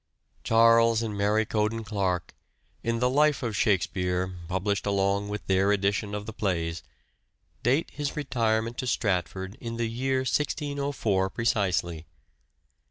Charles and Mary Cowden Clarke, in the Life of Shakspere published along with their edition of the plays, date his retirement to Stratford in the year 1604 precisely.